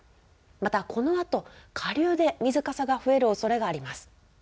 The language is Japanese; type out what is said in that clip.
またこのあと下流で水かさが増えるおそれがあります。